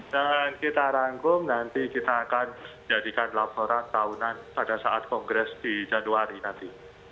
dan kita rangkum nanti kita akan jadikan laporan tahunan pada saat kongres di januari nanti